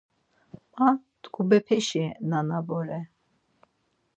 Ma t̆ǩubepeşi nana bore.